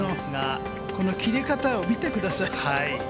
このきれ方を見てくださ